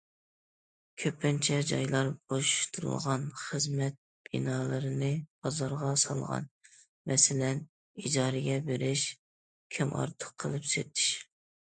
كۆپىنچە جايلار بوشىتىلغان خىزمەت بىنالىرىنى بازارغا سالغان، مەسىلەن ئىجارىگە بېرىش، كىمئارتۇق قىلىپ سېتىش.